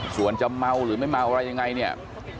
ส่วนจะเมาหรือไม่เมาอะไรยังไงเนี่ย